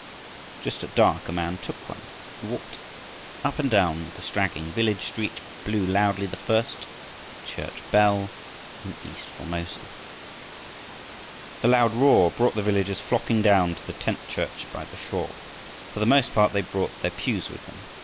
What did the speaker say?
Just at dark a man took one, and walking up and down the straggling village street blew loudly the first "church bell" in east Formosa. The loud roar brought the villagers flocking down to the tent church by the shore. For the most part they brought their pews with them.